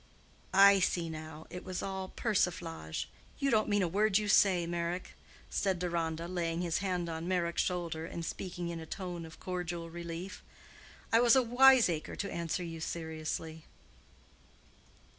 "I see now; it was all persiflage. You don't mean a word you say, Meyrick," said Deronda, laying his hand on Meyrick's shoulder, and speaking in a tone of cordial relief. "I was a wiseacre to answer you seriously."